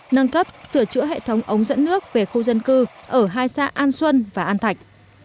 nâng cấp sửa chữa hệ thống ống dẫn nước về khu dân cư ở hai xã an xuân và an thạch